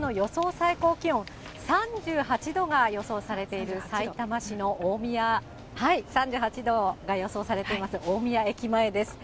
最高気温、３８度が予想されているさいたま市の大宮、３８度が予想されています、大宮駅前です。